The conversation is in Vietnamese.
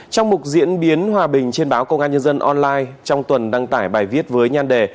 trong một diễn biến hòa bình trên báo công an nhân dân online trong tuần đăng tải bài viết với nhan đề